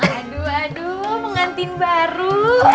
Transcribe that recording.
aduh aduh mengantin baru